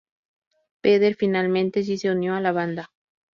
Vedder finalmente sí se unió a la banda.